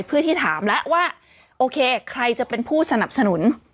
เพื่อที่ถามแล้วว่าโอเคใครจะเป็นผู้สนับสนุน